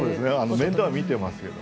面倒は見ていますけれど。